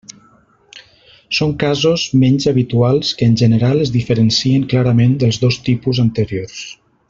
Són casos menys habituals que en general es diferencien clarament dels dos tipus anteriors.